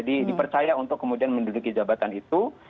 dipercaya untuk kemudian menduduki jabatan itu